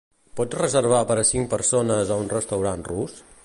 Pots reservar per a cinc persones a un restaurant rus?